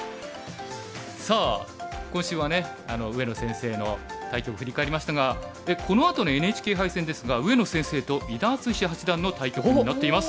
さあ今週は上野先生の対局振り返りましたがこのあとのＮＨＫ杯戦ですが上野先生と伊田篤史八段の対局になっています。